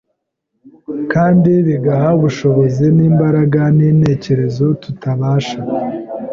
kandi bigaha ubushobozi n’imbaraga intekerezo tutabasha